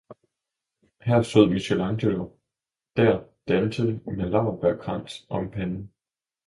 Her stod Michelangelo, der Dante med laurbærkrans om panden.